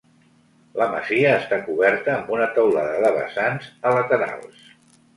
La masia està coberta amb una teulada de vessants a laterals.